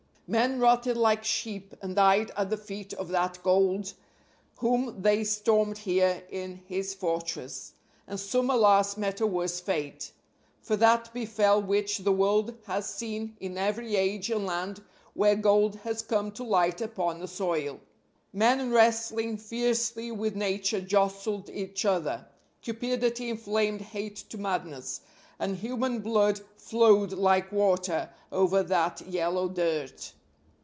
Men rotted like sheep, and died at the feet of that Gold whom they stormed here in his fortress; and some alas met a worse fate. For that befell which the world has seen in every age and land where gold has come to light upon a soil; men wrestling fiercely with Nature jostled each other; cupidity inflamed hate to madness, and human blood flowed like water over that yellow dirt.